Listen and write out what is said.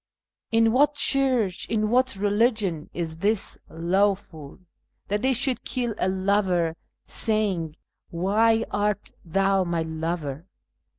In what church, in what religion, is this lawful, That they should kiU a lover, saying, " Why art thou my lover